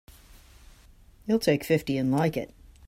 You'll take fifty and like it!